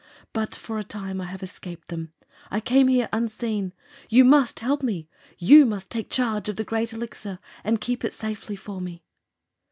But for a time I have escaped them. I came here unseen. You must help me. You must take charge of the Great Elixir and keep it safely for me."